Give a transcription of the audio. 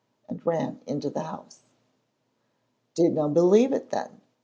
and ran into the house. "Dinna believe it, then!"